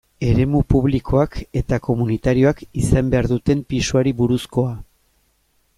Eremu publikoak eta komunitarioak izan behar duten pisuari buruzkoa.